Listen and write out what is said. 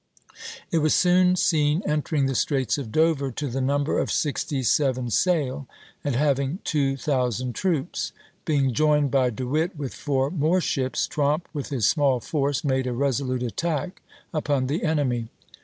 It was soon seen entering the Straits of Dover to the number of sixty seven sail, and having two thousand troops. Being joined by De Witt with four more ships, Tromp with his small force made a resolute attack upon the enemy.